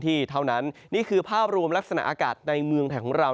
ที่เท่านั้นนี่คือภาพรวมลักษณะอากาศในเมืองไทยของเรา